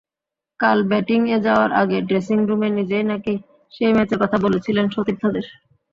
কাল ব্যাটিংয়ে যাওয়ার আগে ড্রেসিংরুমে নিজেই নাকি সেই ম্যাচের কথা বলেছিলেন সতীর্থদের।